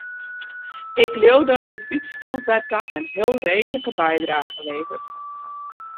Ik leau dat dit útstel dêrta in heel reedlike bydrage leveret.